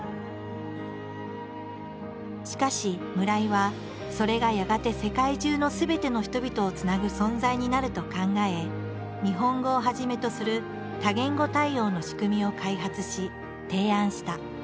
しかし村井はそれがやがて世界中のすべての人々をつなぐ存在になると考え日本語をはじめとする多言語対応の仕組みを開発し提案した。